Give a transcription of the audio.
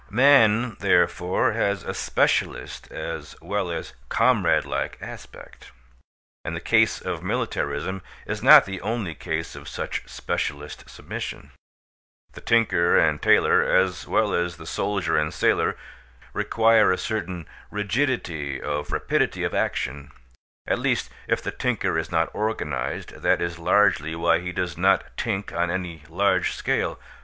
Man, therefore, has a specialist as well as comrade like aspect; and the case of militarism is not the only case of such specialist submission. The tinker and tailor, as well as the soldier and sailor, require a certain rigidity of rapidity of action: at least, if the tinker is not organized that is largely why he does not tink on any large scale.